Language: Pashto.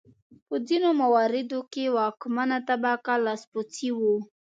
په ځینو مواردو کې واکمنه طبقه لاسپوڅي وو.